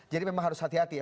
jadi memang harus hati hati ya